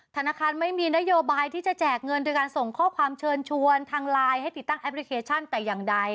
ธนาคารไม่มีนโยบายที่จะแจกเงินโดยการส่งข้อความเชิญชวนทางไลน์ให้ติดตั้งแอปพลิเคชันแต่อย่างใด